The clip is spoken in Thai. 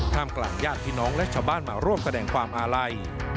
กลางญาติพี่น้องและชาวบ้านมาร่วมแสดงความอาลัย